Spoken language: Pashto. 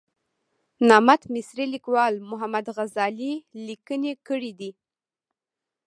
نامت مصري لیکوال محمد غزالي لیکنې کړې دي.